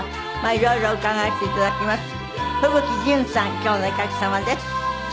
今日のお客様です。